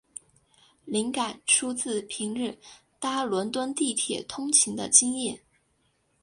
灵感出自平日搭伦敦地铁通勤的经验。